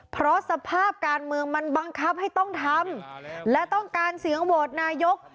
เพราะสภาพการเมืองมันบังคับให้ต้องทำและต้องการเสียงโหวตนายก